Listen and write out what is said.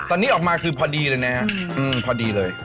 ตอนนี้ออกมาคือพอดีเลยนะฮะพอดีเลย